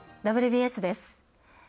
「ＷＢＳ」です。